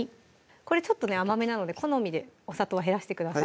これちょっと甘めなので好みでお砂糖は減らしてください